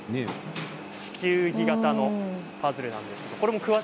地球儀型のパズルです。